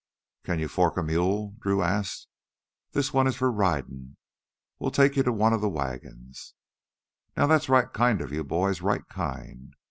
"Can you fork a mule?" Drew asked. "This one is for ridin'. We'll take you to one of the wagons " "Now that's right kind of you boys, right kind."